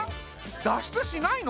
脱出しないの？